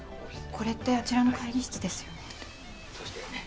これってあちらの会議室ですよね。